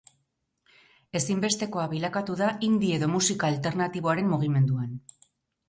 Ezinbestekoa bilakatu da indie edo musika alternatiboaren mugimenduan.